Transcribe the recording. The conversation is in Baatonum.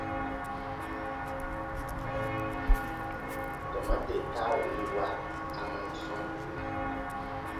Dɔma tè kaa wii wa, a man sɔ̃: